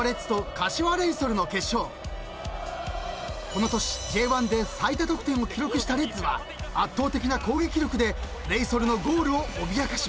［この年Ｊ１で最多得点を記録したレッズは圧倒的な攻撃力でレイソルのゴールを脅かします］